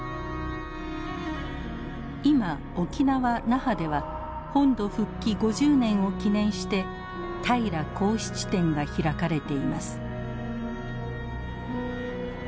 今沖縄・那覇では本土復帰５０年を記念して平良孝七展が開かれています。